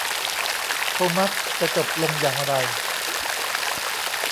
โทมัสจะจบลงอย่างไร ?